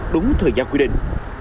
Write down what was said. đúng thời gian quy định